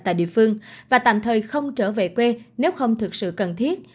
tại địa phương và tạm thời không trở về quê nếu không thực sự cần thiết